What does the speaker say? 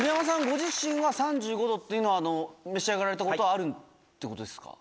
ご自身は３５度っていうのは召し上がられたことはあるってことですか？